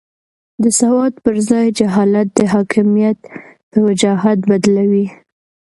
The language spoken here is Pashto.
د سواد پر ځای جهالت د حاکمیت په وجاهت بدلوي.